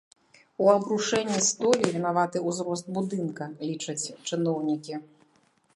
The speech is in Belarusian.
У абрушэнні столі вінаваты ўзрост будынка, лічаць чыноўнікі.